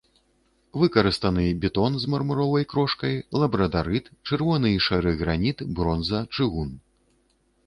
Выкарыстаны бетон з мармуровай крошкай, лабрадарыт, чырвоны і шэры граніт, бронза, чыгун.